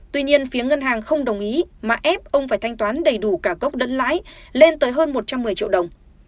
tuy nhiên phía ngân hàng không đồng ý mà ép ông phải thanh toán đầy đủ cả gốc lẫn lãi lên tới hơn một trăm một mươi triệu đồng